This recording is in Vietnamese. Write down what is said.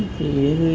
thì lấy điện thoại